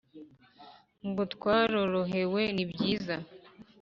Ngo twarorohewe ni byiza